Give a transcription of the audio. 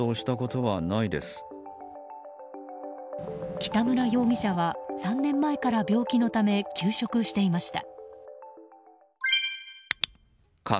北村容疑者は、３年前から病気のため休職していました。